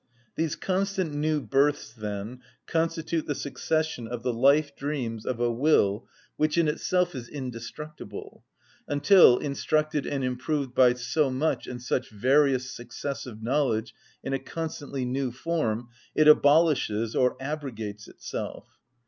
These constant new births, then, constitute the succession of the life‐dreams of a will which in itself is indestructible, until, instructed and improved by so much and such various successive knowledge in a constantly new form, it abolishes or abrogates itself.